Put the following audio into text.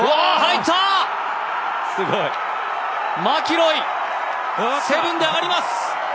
マキロイ、７で上がります。